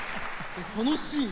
楽しい！